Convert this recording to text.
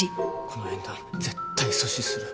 この縁談絶対阻止する。